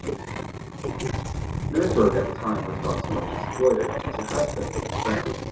The Squaw Nurnberg at the time was not so much exploited as it has been since then.